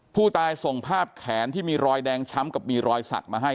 ผู้ตายส่งภาพแขนที่มีรอยแดงช้ำกับมีรอยสักมาให้